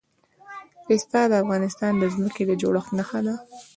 پسه د افغانستان د ځمکې د جوړښت نښه ده.